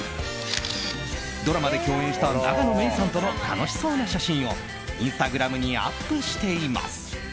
ドラマで共演した永野芽郁さんとの楽しそうな写真をインスタグラムにアップしています。